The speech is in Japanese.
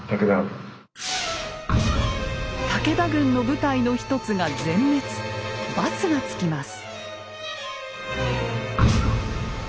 武田軍の部隊の一つが全滅バツが付きます。